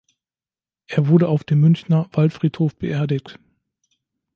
Er wurde auf dem Münchner Waldfriedhof beerdigt.